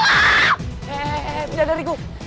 hei pindah dari gue